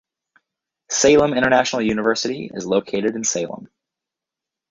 Salem International University is located in Salem.